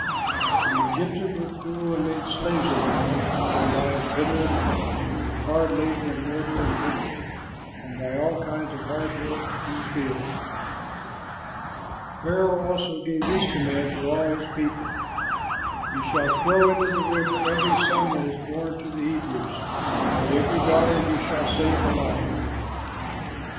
And the Egyptians were cruel and made slaves of them, making their lives bitter with hard labor in mortar and brick, and by all kinds of hard work in the field. Pharaoh also gave this command to all his people, "You shall throw into the river every son that is born to the Hebrews, but every daughter you shall save alive."